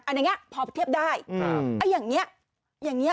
อันอย่างนี้พอเทียบได้อันอย่างนี้